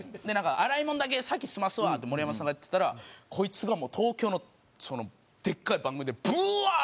「洗い物だけ先済ますわ」って盛山さんがやってたらこいつが東京のでかい番組でブワー！